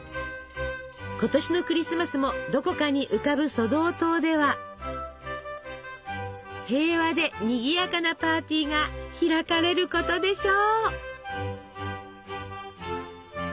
今年のクリスマスもどこかに浮かぶソドー島では平和でにぎやかなパーティーが開かれることでしょう。